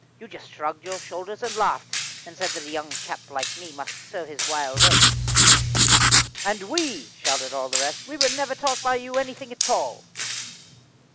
You just shrugged your shoulders and laughed, and said that a young chap like me must sow his wild oats." "And we," shouted the rest "we were never taught by you anything at all."